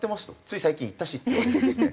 「つい最近行ったし」。